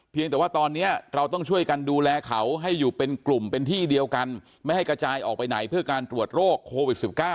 แต่ว่าตอนนี้เราต้องช่วยกันดูแลเขาให้อยู่เป็นกลุ่มเป็นที่เดียวกันไม่ให้กระจายออกไปไหนเพื่อการตรวจโรคโควิด๑๙